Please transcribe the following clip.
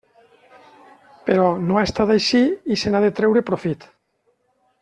Però no ha estat així i se n'ha de treure profit.